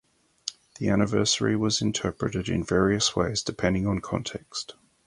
The anniversary was interpreted in various ways depending on context.